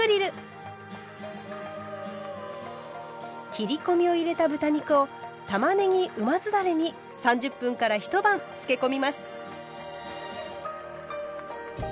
切り込みを入れた豚肉をたまねぎうま酢だれに３０分から一晩つけ込みます。